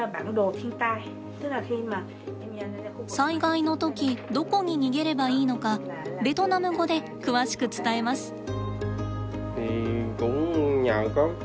災害の時どこに逃げればいいのかベトナム語で詳しく伝えます。